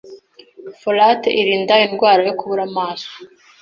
Folate irinda indwara yo kubura amaraso